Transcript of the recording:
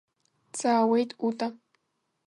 Дҵаауеит Ута.